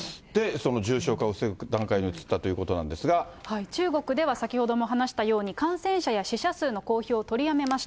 その重症化を防ぐ段階に移ったと中国では先ほども話したように、感染者や死者数の公表を取りやめました。